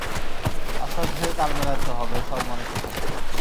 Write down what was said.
আস্তে আস্তে তাল মেলাতে হবে সব মানুষের সাথে।